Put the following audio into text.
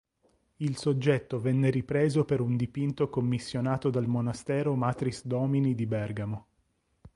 Il soggetto venne ripreso per un dipinto commissionato dal monastero Matris Domini di Bergamo.